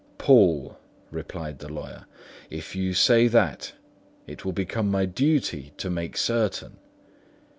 "Poole," replied the lawyer, "if you say that, it will become my duty to make certain.